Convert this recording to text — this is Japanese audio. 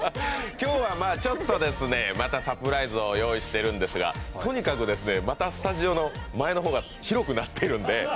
ちょっとまたサプライズを用意しているんですがとにかくまたスタジオの前の方が広くなってるんで。